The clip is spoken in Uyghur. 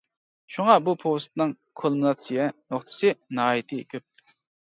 شۇڭا بۇ پوۋېستنىڭ كۇلمىناتسىيە نۇقتىسى ناھايىتى كۆپ.